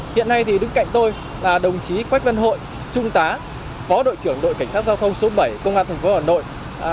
hiện nay thì đứng cạnh tôi là đồng chí quách văn hội trung tá phó đội trưởng đội cảnh sát giao thông số bảy công an tp hà nội